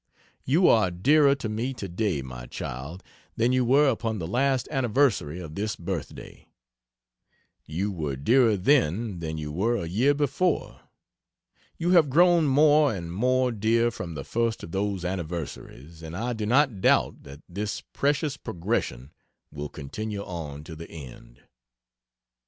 You are dearer to me to day, my child, than you were upon the last anniversary of this birth day; you were dearer then than you were a year before you have grown more and more dear from the first of those anniversaries, and I do not doubt that this precious progression will continue on to the end.